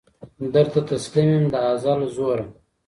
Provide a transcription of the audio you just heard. درته تسلیم یم د ازل زوره